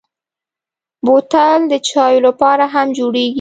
بوتل د چايو لپاره هم جوړېږي.